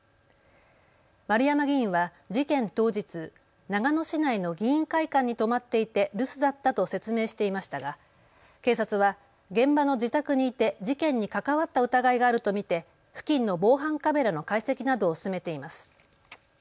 丸山議員は事件当日、長野市内の議員会館に泊まっていて留守だったと説明していましたが警察は現場の自宅にいて事件に関わった疑いがあると見て付近の防犯カメラの解析などを進めています。